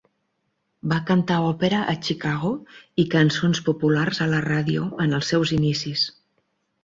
Va cantar òpera a Chicago i cançons populars a la ràdio en els seus inicis.